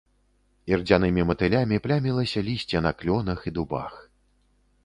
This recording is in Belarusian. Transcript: Ірдзянымі матылямі плямілася лісце на клёнах і дубах.